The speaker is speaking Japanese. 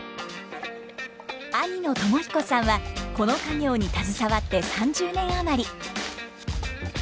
兄の友彦さんはこの家業に携わって３０年余り。